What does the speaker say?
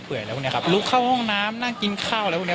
อะไรพวกเนี้ยครับลุกเข้าห้องน้ำนั่งกินข้าวอะไรพวกเนี้ย